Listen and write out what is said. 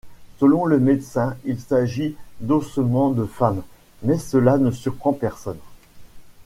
Selon le médecin, il s'agit d'ossements de femmes, mais cela ne surprend personne...